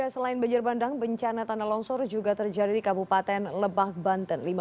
selain banjir bandang bencana tanah longsor juga terjadi di kabupaten lebak banten